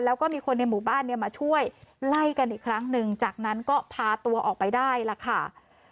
แล้วก็มีคนในหมู่บ้านเนี่ยมาช่วยไล่กันอีกครั้งหนึ่งจากนั้นก็พาตัวออกไปได้ล่ะค่ะ